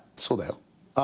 そうだよ。